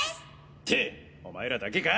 ってお前らだけか？